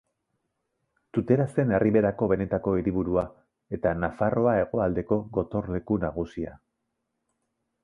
Tutera zen Erriberako benetako hiriburua eta Nafarroa hegoaldeko gotorleku nagusia.